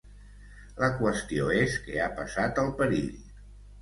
La qüestió és que ha passat el perill.